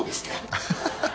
ハハハ